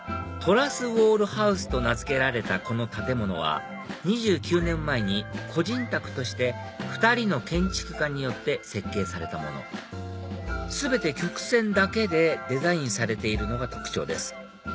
ＴＲＵＳＳＷＡＬＬＨＯＵＳＥと名付けられたこの建物は２９年前に個人宅として２人の建築家によって設計されたもの全て曲線だけでデザインされているのが特徴です